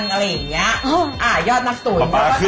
ชื่อยอดนักตุ๋น